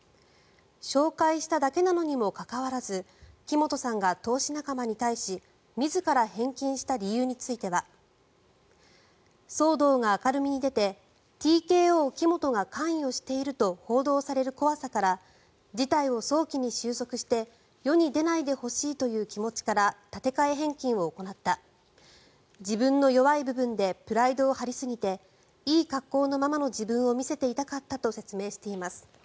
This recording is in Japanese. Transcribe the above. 紹介しただけなのにもかかわらず木本さんが投資仲間に対し自ら返金した理由については騒動が明るみに出てＴＫＯ、木本が関与していると報道される怖さから事態を早期に収束して世に出ないでほしいという気持ちから立て替え返金を行った自分の弱い部分でプライドを張りすぎていい格好のままの自分を見せていたかったと説明しています。